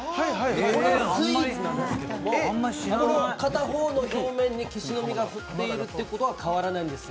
これ、スイーツなんですけど、これ片方の表面にけしの実がふってあるっていうことは変わらないんですよ。